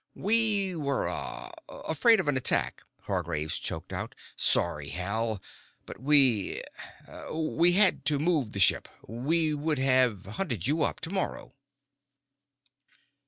"We were ah afraid of an attack," Hargraves choked out. "Sorry, Hal, but we we had to move the ship. We would have hunted you up, tomorrow."